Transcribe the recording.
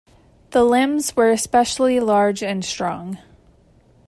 The limbs were especially large and strong.